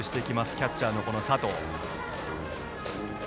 キャッチャーの佐藤。